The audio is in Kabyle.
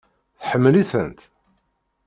Tḥemmel-itent?